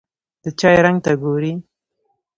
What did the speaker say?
د چای رنګ ته ګوري.